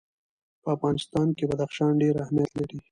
په افغانستان کې بدخشان ډېر اهمیت لري.